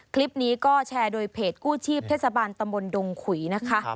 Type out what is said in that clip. คลิปนี้ก็แชร์โดยเพจกู้ชีพเทศบาลตำบลดงขุยนะคะ